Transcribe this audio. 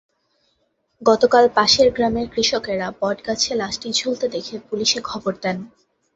গতকাল পাশের গ্রামের কৃষকেরা বটগাছে লাশটি ঝুলতে দেখে পুলিশে খবর দেন।